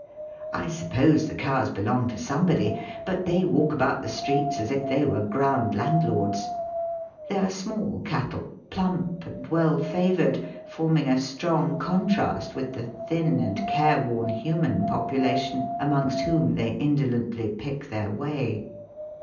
I suppose the cows belong to somebody, but they walk about the streets as if they were ground landlords. They are small cattle, plump and well favoured, forming a strong contrast with the thin and careworn human population amongst whom they indolently pick their way.